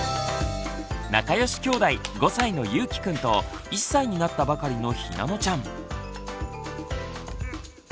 仲良しきょうだい５歳のゆうきくんと１歳になったばかりのひなのちゃん。